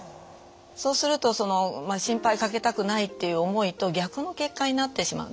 そうするとその心配かけたくないという思いと逆の結果になってしまうんですね。